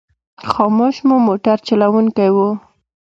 خاموش مو موټر چلوونکی و.